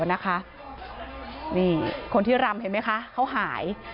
นี่คนที่รำเห็นไหมคะเขาหาย